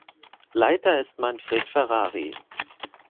Leiter ist Manfred Ferrari.